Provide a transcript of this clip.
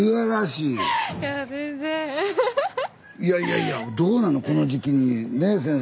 いやいやいやどうなのこの時期にねっ先生担任ならはって。